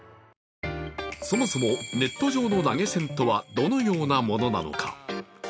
そもそもネット上の投げ銭とは、どのようなものなのか。